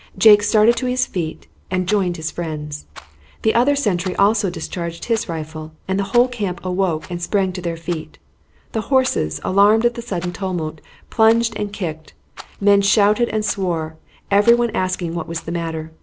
Jake started to his feet and joined his friends. The other sentry also discharged his rifle, and the whole camp awoke and sprang to their feet. The horses, alarmed at the sudden tumult, plunged and kicked; men shouted and swore, everyone asking what was the matter.